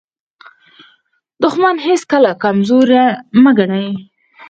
دښمن هیڅکله کمزوری مه ګڼئ.